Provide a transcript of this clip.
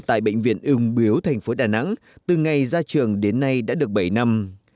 tại bệnh viện úng biếu tp đà nẵng từ ngày ra trường đến nay đã được bảy năm